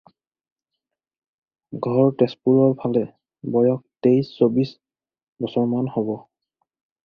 ঘৰ তেজপুৰৰ ফালে, বয়স তেইশ চৌবিশ বছৰমান হ'ব।